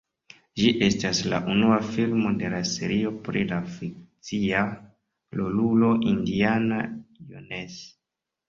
Ĝi estas la unua filmo de la serio pri la fikcia rolulo Indiana Jones.